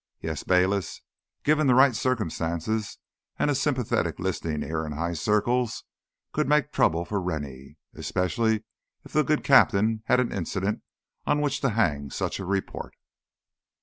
Yes, Bayliss, given the right circumstances and a sympathetic listening ear in high circles, could make trouble for Rennie. Especially if the good captain had an incident on which to hang such a report."